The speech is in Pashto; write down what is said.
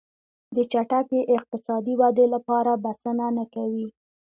د چټکې اقتصادي ودې لپاره بسنه نه کوي.